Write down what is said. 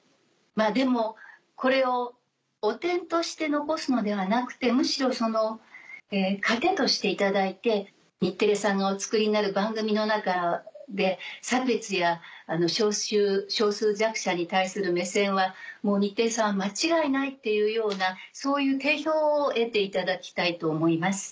でもこれを汚点として残すのではなくてむしろその糧としていただいて日テレさんのお作りになる番組の中で差別や少数弱者に対する目線は日テレさんは間違いないっていうようなそういう定評を得ていただきたいと思います。